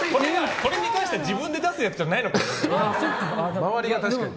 これに関しては自分で出すやつじゃないかも。